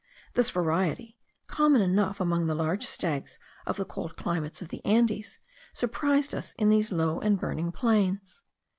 This variety, common enough among the large stags of the cold climates of the Andes, surprised us in these low and burning plains.